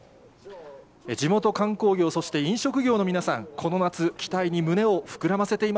地元観光業、そして飲食業の皆さん、この夏、期待に胸を膨らませ